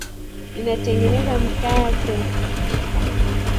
Ninatengeneza mkate